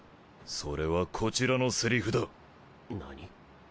それはこちらのセリフだなに？